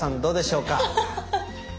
どうでしょうか。